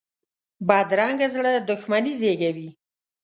بدرنګه زړه دښمني زېږوي